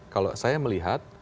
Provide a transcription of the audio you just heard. kalau saya melihat